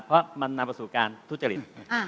เพราะมันนำไปสู่การทุจริต